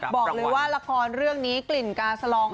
บอกเลยว่าละครเรื่องนี้กลิ่นกาสลอง